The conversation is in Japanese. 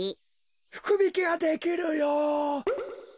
ふくびきができるよ。